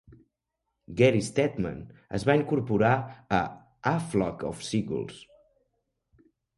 Gary Steadman es va incorporar a A Flock of Seagulls.